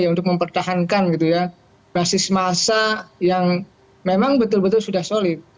untuk mempertahankan basis massa yang memang betul betul sudah solid